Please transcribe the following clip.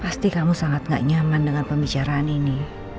pasti kamu sangat gak nyaman dengan pembicaraan ini